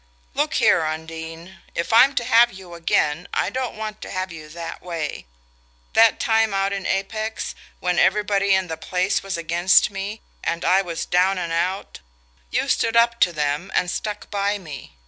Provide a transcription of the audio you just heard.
"Look here. Undine, if I'm to have you again I don't want to have you that way. That time out in Apex, when everybody in the place was against me, and I was down and out, you stood up to them and stuck by me.